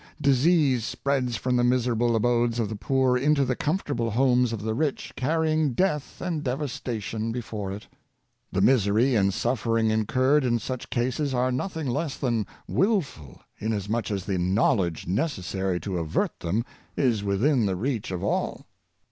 Disease spreads from the miserable abodes of the poor into the comfortable homes of the rich, carrying death and devastation before it. The misery and suffering incurred in such cases are nothing less than willful, inasmuch as the knowledge necessary to avert them is within the reach of all.